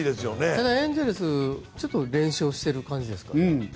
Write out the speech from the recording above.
ただ、エンゼルスちょっと連勝してる感じですか？